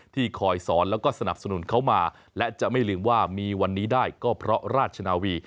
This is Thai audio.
ที่คอยสอนแล้วก็สนับสนุนเขามาและจะไม่ลืมว่ามีวันนี้ได้ก็เพราะราชนาวี